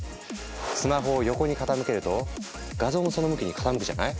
スマホを横に傾けると画像もその向きに傾くじゃない？